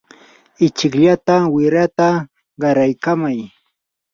ichikllata wirata qaraykamay.